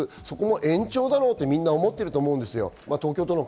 延長だろうとみんな思ってると思うんですよ。